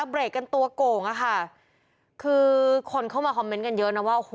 เบรกกันตัวโก่งอ่ะค่ะคือคนเข้ามาคอมเมนต์กันเยอะนะว่าโอ้โห